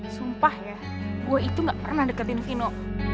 sumpah ya gue itu gak pernah deketin vino